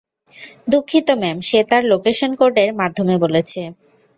দুঃখিত ম্যাম সে তার লোকেশন কোড এর মাধ্যমে বলেছে।